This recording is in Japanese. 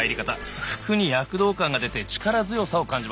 服に躍動感が出て力強さを感じます。